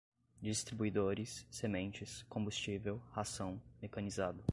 distribuidores, sementes, combustível, ração, mecanizado